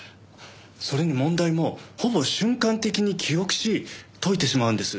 それに問題もほぼ瞬間的に記憶し解いてしまうんです。